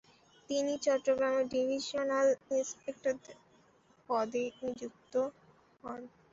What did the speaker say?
তিনি চট্টগ্রামের divisional inspector পদে নিযুক্ত হন।